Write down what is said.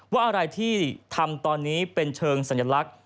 ว่าอะไรที่ทำตอนนี้เป็นเชิงสัญลักษณ์